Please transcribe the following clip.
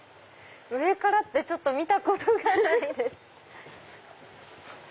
上からって見たことがないです。